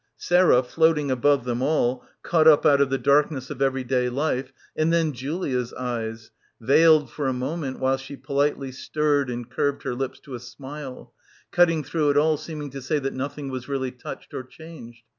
Sarah, floating above them all, caught up out of the darkness of everyday life. ... And then Julia's eyes — veiled for a moment while she politely stirred and curved her lips to a smile — cutting through it all, seeming to say that nothing was really touched or changed.